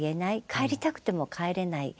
帰りたくても帰れない。